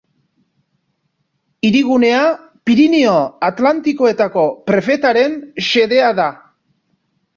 Hirigunea Pirinio Atlantikoetako prefetaren xedea da.